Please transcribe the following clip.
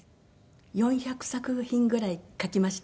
４００作品ぐらい書きました。